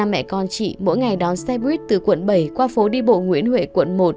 ba mẹ con chị mỗi ngày đón xe buýt từ quận bảy qua phố đi bộ nguyễn huệ quận một